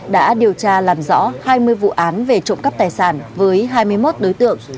đã điều tra làm rõ hai mươi vụ án về trộm cắp tài sản với hai mươi một đối tượng